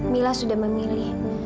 mila sudah memilih